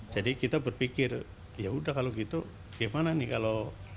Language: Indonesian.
jadi kita berpikir ya sudah kalau gitu bagaimana nih kalau